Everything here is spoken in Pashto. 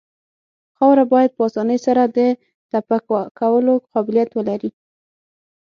خاوره باید په اسانۍ سره د تپک کولو قابلیت ولري